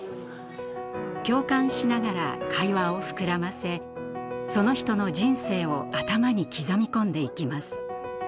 共感しながら会話を膨らませその人の人生を頭に刻み込んでいきます。